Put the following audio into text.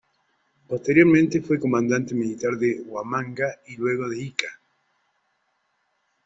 Posteriormente fue comandante militar de Huamanga y luego de Ica.